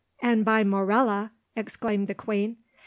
and by Morella!" exclaimed the queen.